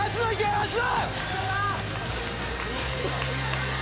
松野。